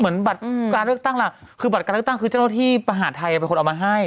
เหมือนบัตรการเลือกตั้งล่ะคือบัตรการเลือกตั้งคือเจ้าหน้าที่มหาดไทยเป็นคนเอามาให้